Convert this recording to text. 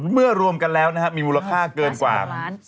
เมื่อรวมกันแล้วนะครับมีมูลค่าเกินกว่า